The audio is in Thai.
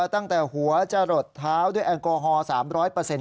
แต่หัวจะหลดเท้าด้วยแอลกอฮอล์